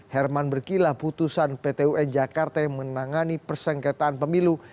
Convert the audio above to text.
herman berkilah putusan pt un jakarta yang menangani persengketaan pemilu